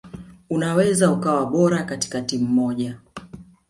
Unaweza ukawa bora katika timu moja